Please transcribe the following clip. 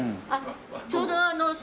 あっちょうどあの。